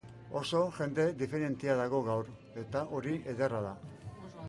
Oso jende diferentea dago gaur, eta hori ederra da.